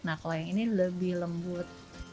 nah kalau yang ini lebih lembut